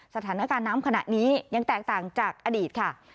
สถานการณ์น้ำขณะนี้ยังแตกต่างจากอดีตค่ะ